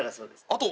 あと。